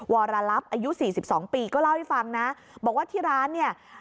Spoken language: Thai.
วรรลับอายุสี่สิบสองปีก็เล่าให้ฟังนะบอกว่าที่ร้านเนี้ย